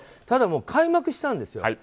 ただ、開幕したんですよ。